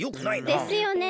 ですよね。